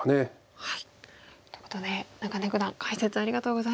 ということで中根九段解説ありがとうございました。